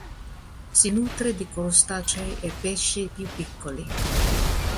Si nutre di crostacei e pesci più piccoli.